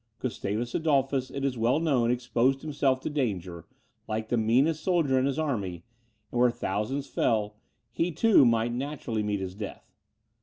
Gustavus Adolphus, it is well known, exposed himself to danger, like the meanest soldier in his army, and where thousands fell, he, too, might naturally meet his death.